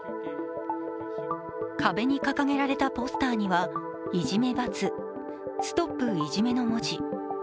壁に掲げられたポスターには、「いじめバツ、ＳＴＯＰいじめ」の文字。